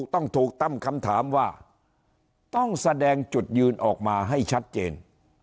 ต้องถูกตั้งคำถามว่าต้องแสดงจุดยืนออกมาให้ชัดเจน